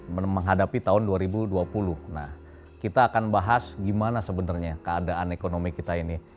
menghadapi tahun dua ribu dua puluh nah kita akan bahas gimana sebenarnya keadaan ekonomi kita ini